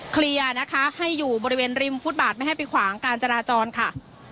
เคลียร์นะคะให้อยู่บริเวณริมฟุตบาทไม่ให้ไปขวางการจราจรค่ะ